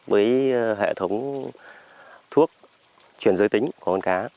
với hệ thống thuốc chuyển giới tính của con cá